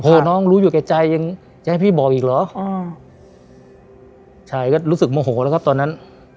น้องรู้อยู่แก่ใจยังจะให้พี่บอกอีกเหรออ่าใช่ก็รู้สึกโมโหแล้วครับตอนนั้น